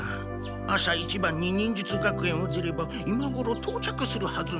朝一番に忍術学園を出れば今ごろとう着するはずなんじゃが。